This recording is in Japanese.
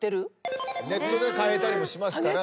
ネットで買えたりもしますから。